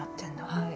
はい。